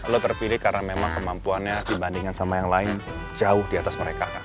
lo terpilih karena memang kemampuannya dibandingkan sama yang lain jauh di atas mereka